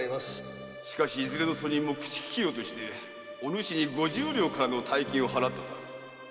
〔しかしいずれの訴人も口利き料としておぬしに五十両からの大金を払ったとある。